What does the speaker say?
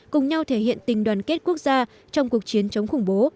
cùng nhau thể hiện tình đoàn kết quốc gia trong cuộc chiến chống khủng bố